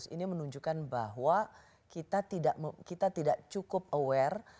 ini menunjukkan bahwa kita tidak cukup aware